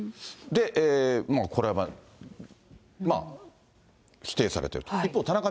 これはまあ、否定されていると。